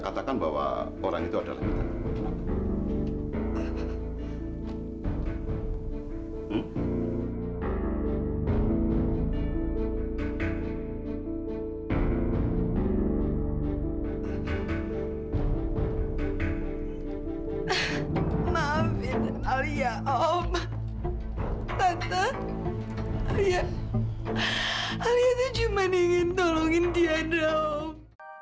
alia tuh cuma ingin tolongin tiandra om